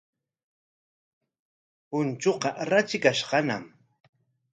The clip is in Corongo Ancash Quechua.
Punchuuqa ratrikashqañam.